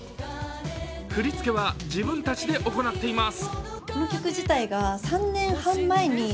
振り付けは、自分たちで行っています。